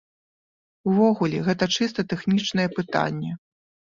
Увогуле, гэта чыста тэхнічныя пытанні.